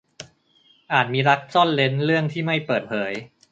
อาจมีรักซ่อนเร้นเรื่องที่ไม่เปิดเผย